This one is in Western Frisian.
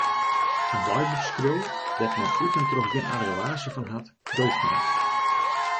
In deiboekskriuwer dêr't men út en troch gjin argewaasje fan hat, doocht net.